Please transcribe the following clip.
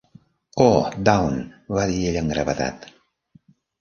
"Oh, Dawn", va dir ella amb gravetat.